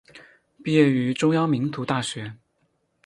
毕业于中央民族大学。